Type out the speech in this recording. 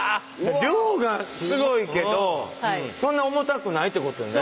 量がすごいけどそんな重たくないってことよね？